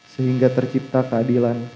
sehingga tercipta keadilan